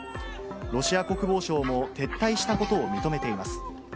ロシア国防省も、撤退したことを認めています。